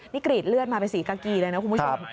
นี่กรีดเลือดมาเป็นสีกากีเลยนะคุณผู้ชม